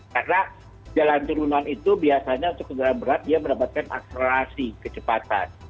karena jalan turunan itu biasanya untuk kendaraan berat dia mendapatkan akselerasi kecepatan